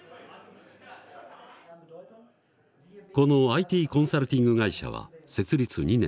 このＩＴコンサルティング会社は設立２年。